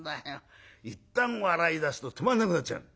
いったん笑いだすと止まらなくなっちゃう」。